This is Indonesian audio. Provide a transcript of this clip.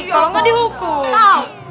kalau nggak dihukum